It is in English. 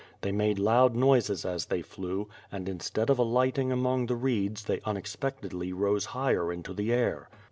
They made loud noises as they flew, and instead of alighting among the reeds they unexpectedly rose higher into the air.